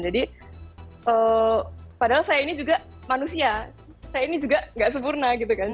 jadi padahal saya ini juga manusia saya ini juga nggak sempurna gitu kan